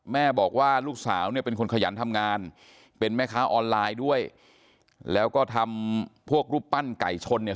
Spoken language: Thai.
แม่บอกว่าลูกสาวเนี่ยเป็นคนขยันทำงานเป็นแม่ค้าออนไลน์ด้วยแล้วก็ทำพวกรูปปั้นไก่ชนเนี่ย